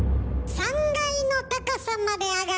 ３階の高さまで上がる。